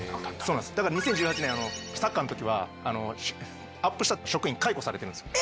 だから２０１８年サッカーの時はアップした職員解雇されてるんですよ。